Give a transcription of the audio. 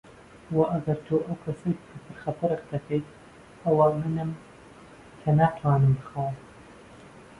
و ئەگەر تۆ ئەو کەسەیت کە پرخەپرخ دەکەیت، ئەوە منم کە ناتوانم بخەوم.